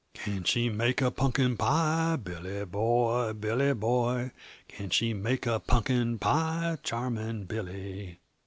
"Can she make a punkin pie, Billy boy, Billy boy? Can she make a punkin pie, charming Billy?"